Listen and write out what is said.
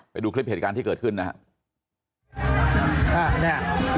ไปดูคลิปเหตุการณ์ที่เกิดขึ้นนะครับ